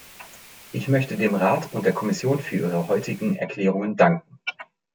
Ich möchte dem Rat und der Kommission für ihre heutigen Erklärungen danken.